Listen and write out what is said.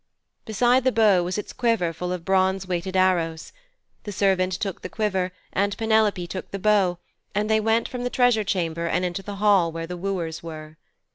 Beside the bow was its quiver full of bronze weighted arrows. The servant took the quiver and Penelope took the bow, and they went from the treasure chamber and into the hall where the wooers were.